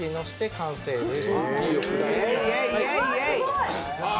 完成です！